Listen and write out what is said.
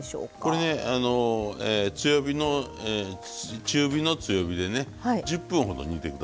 これね強めの中火で１０分ほど煮てください。